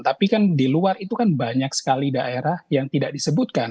tapi kan di luar itu kan banyak sekali daerah yang tidak disebutkan